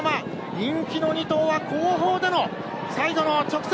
人気の２頭は後方での最後の直線。